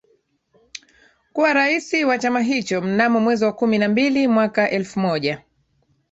kuwa Rais wa chama hicho Mnamo mwezi wa kumi na mbili mwaka elfu moja